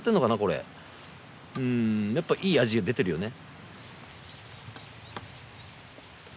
やっぱいい味が出てるよね。